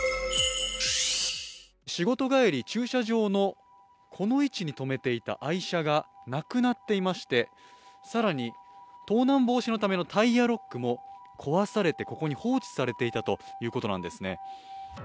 仕事帰り、駐車場のこの位置に止めていた愛車がなくなっていまして更に盗難防止のためのタイヤロックも壊されて、ここに放置されていたということなんですね。